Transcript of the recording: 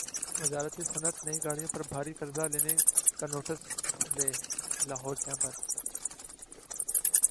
وزارت صنعت نئی گاڑیوں پر بھاری قرضہ لینے کا ںوٹس لے لاہور چیمبر